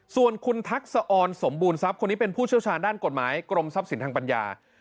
ส่วนคุณทักษะออนสมบูรณทรัพย์คนนี้เป็นผู้เชี่ยวชาญด้านกฎหมายกรมทรัพย์สินทางปัญญา